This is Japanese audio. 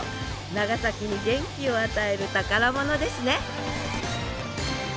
長崎に元気を与える宝物ですね！